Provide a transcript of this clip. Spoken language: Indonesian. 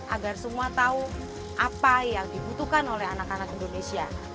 agar semua tahu apa yang dibutuhkan oleh anak anak indonesia